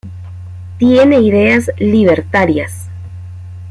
Tiene ideas libertarias.